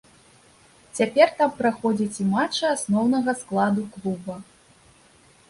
Цяпер там праходзяць і матчы асноўнага складу клуба.